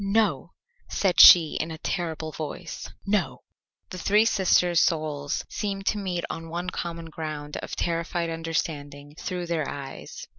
"No," said she in a terrible voice. "No." The three sisters' souls seemed to meet on one common ground of terrified understanding through their eyes.